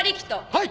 はい！